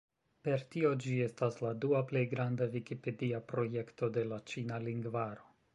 Per tio ĝi estas la dua plej granda vikipedia projekto de la ĉina lingvaro.